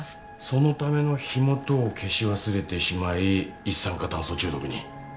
そのための火元を消し忘れてしまい一酸化炭素中毒に